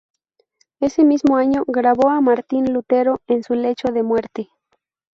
Ese mismo año grabó a Martín Lutero en su lecho de muerte.